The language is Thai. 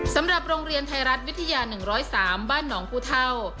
สำหรับโรงเรียนไทยรัฐวิทยา๑๐๓บ้านหนองภูเท่า